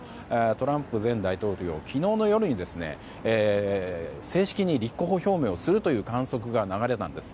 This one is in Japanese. トランプ前大統領昨日の夜に正式に立候補表明をするという観測が流れたんです。